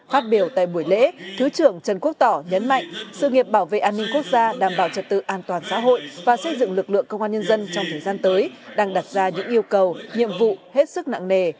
phát biểu tại buổi lễ thứ trưởng trần quốc tỏ nhấn mạnh sự nghiệp bảo vệ an ninh quốc gia đảm bảo trật tự an toàn xã hội và xây dựng lực lượng công an nhân dân trong thời gian tới đang đặt ra những yêu cầu nhiệm vụ hết sức nặng nề